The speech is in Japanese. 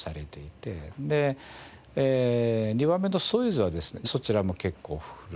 で２番目のソユーズはですねそちらも結構古いと。